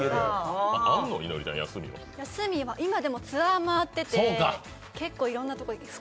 休みは、今でもツアー回ってていろんなところ行ってます。